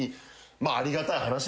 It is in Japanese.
まあありがたい話ですよ。